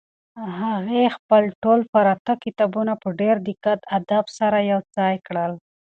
هغې خپل ټول پراته کتابونه په ډېر دقت او ادب سره یو ځای کړل.